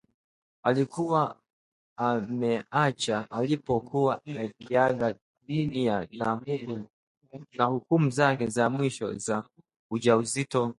alikuwa amemuacha alipokuwa akiaga dunia na hukumu zake za mwisho za ujauzito?